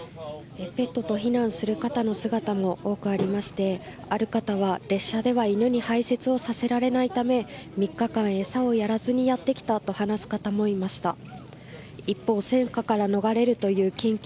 ペットと避難する方の姿も多くありましてある方は、列車では犬に排泄をさせられないため３日間餌をやらずにやってきたと話す方もいました。